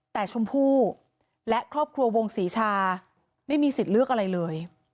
แต่ชมพู่และครอบครัววงศรีชาไม่มีสิทธิ์เลือกอะไรเลย